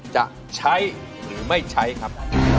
จะใช้หรือไม่ใช้ครับ